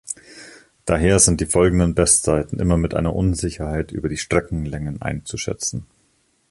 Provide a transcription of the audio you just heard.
Daher sind die folgenden Bestzeiten immer mit einer Unsicherheit über die Streckenlängen einzuschätzen.